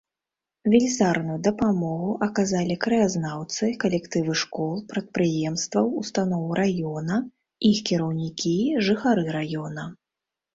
Велізарную дапамогу аказалі краязнаўцы, калектывы школ, прадпрыемстваў, устаноў раёна, іх кіраўнікі, жыхары раёна.